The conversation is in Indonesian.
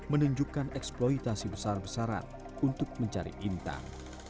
menunjukkan eksploitasi besar besaran untuk mencari intan